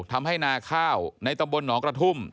นาข้าวในตำบลหนองกระทุ่ม